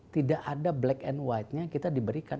tidak ada black and white nya kita diberikan